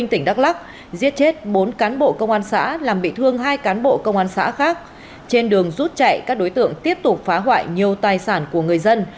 trên đường rút chạy các đối tượng tiếp tục phá hoại nhiều tài sản của người dân